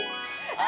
あ！